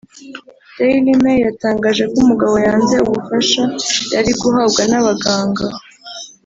Daily Mail yatangaje ko umugabo yanze ubufasha yari guhabwa n’abaganga